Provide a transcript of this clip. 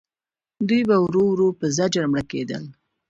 دوی به ورو ورو په زجر مړه کېدل.